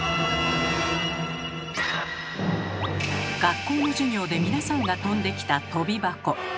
学校の授業で皆さんがとんできたとび箱。